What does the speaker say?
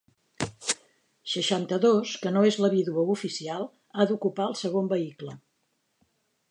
Seixanta-dos que no és la vídua oficial, ha d'ocupar el segon vehicle.